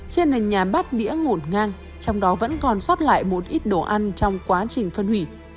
trên nền nhà bát đĩa ngổn ngang trong đó vẫn còn sót lại một ít đồ ăn trong quá trình phân hủy